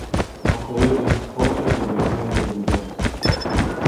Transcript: А коли і не схоче, і без неї обійдемось.